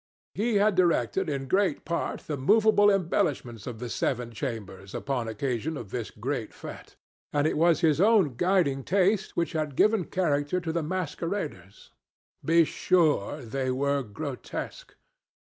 He had directed, in great part, the moveable embellishments of the seven chambers, upon occasion of this great fête; and it was his own guiding taste which had given character to the masqueraders. Be sure they were grotesque.